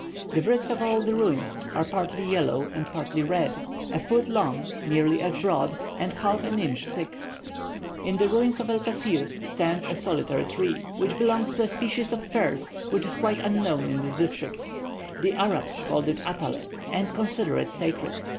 The bricks of all the ruins are partly yellow and partly red, a foot long, nearly as broad, and half an inch thick. In the ruins El Kasir stands a solitary tree, which belongs to a species of firs which is quite unknown in this district. The Arabs call it Athale, and consider it sacred.